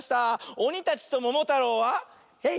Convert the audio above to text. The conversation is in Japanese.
おにたちとももたろうは「えい！